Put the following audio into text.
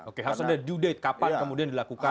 oke harus ada due date kapan kemudian dilakukan